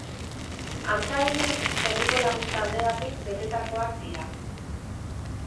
Antza denez, herriko lagun talde batek betetakoak dira.